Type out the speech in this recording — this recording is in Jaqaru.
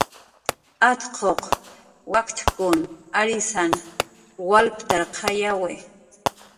Atquq wakchkun arysann walptarqayawi.